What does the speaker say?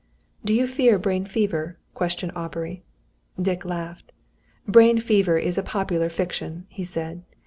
"Do you fear brain fever?" questioned Aubrey. Dick laughed. "Brain fever is a popular fiction," he said.